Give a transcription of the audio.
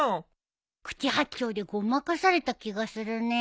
口八丁でごまかされた気がするね。